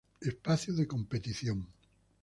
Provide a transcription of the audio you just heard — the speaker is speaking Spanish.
Espacio de competición.